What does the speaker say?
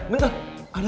eh engga bentar